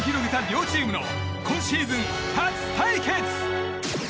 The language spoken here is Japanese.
激闘を繰り広げた両チームの今シーズン初対決！